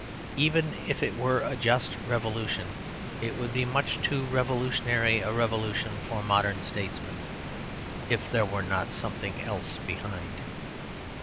Even if it were a just revolution, it would be much too revolutionary a revolution for modern statesmen, if there were not something else behind.